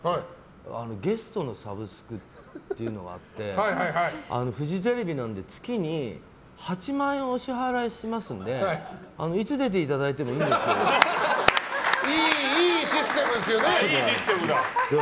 ゲストのサブスクっていうのがあってフジテレビなんで月に８万円お支払しますのでいつ出ていただいてもいいですよっていう。